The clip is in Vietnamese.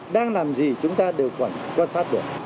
đang làm gì chúng ta đều quan sát được